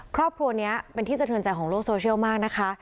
ครอบครัวนี้เป็นที่สะเทือนใจของโลกโซเชียลมากนะคะ